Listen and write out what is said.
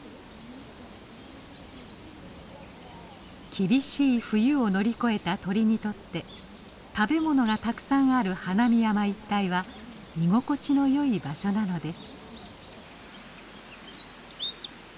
厳しい冬を乗り越えた鳥にとって食べ物がたくさんある花見山一帯は居心地のよい場所なのです。